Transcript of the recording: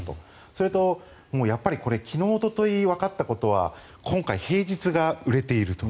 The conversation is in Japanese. それと、昨日、おとといわかったことは今回、平日が売れていると。